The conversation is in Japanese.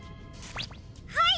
はい！